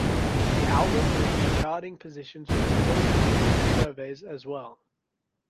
The album reached charting positions on the "Billboard" surveys as well.